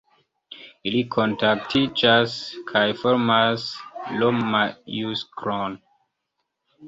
Ili kontaktiĝas kaj formas L-majusklon.